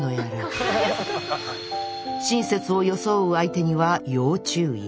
親切を装う相手には要注意。